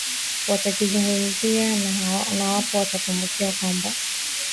watakizungumzia na ambapo unakumbuka kwamba